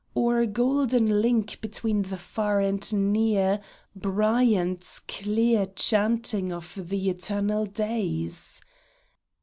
Or, golden link between the far and near, Bryant's clear chanting of the eternal days